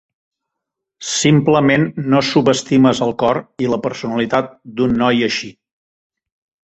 Simplement no subestimes el cor i la personalitat d'un noi així.